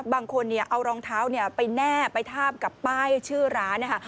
บางคนเอารองเท้าไปแนบไปทาบกับป้ายชื่อร้านนะคะ